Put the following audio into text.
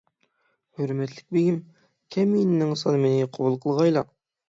ھۆرمەتلىك بېگىم، كەمىنىنىڭ سالىمىنى قوبۇل قىلغايلا.